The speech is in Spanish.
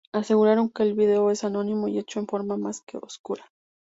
Aseguraron que el video es anónimo y hecho en forma más que oscura.